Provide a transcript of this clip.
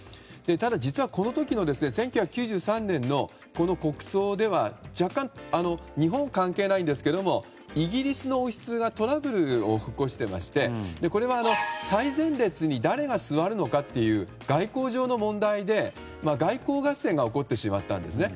ただ、実はこの時の１９９３年の国葬では、若干日本関係ないんですけどもイギリスの王室がトラブルを起こしていましてこれは、最前列に誰が座るのかという外交上の問題で外交合戦が起こってしまったんですね。